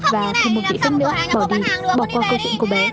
và thêm một kỹ phần nữa bởi vì bỏ qua câu chuyện cô bé